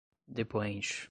depoente